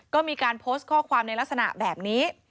ก็มีการโพสต์ข้อความในลักษณะแบบนี้